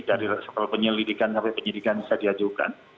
dari soal penyelidikan sampai penyidikan bisa diajukan